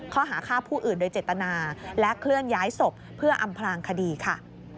ข้อหาฆ่าผู้อื่นโดยเจตนาและเคลื่อนย้ายศพเพื่ออำพลางคดีค่ะ